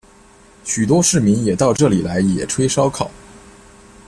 许多市民也到这里来野炊烧烤。